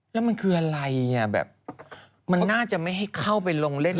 แล้วมันคืออะไรมันน่าจะไม่ให้เข้าไปลงเล่นน้ำ